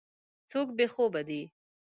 څوک بې خوبه دی.